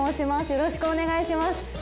よろしくお願いします。